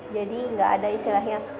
jadi tidak ada istilahnya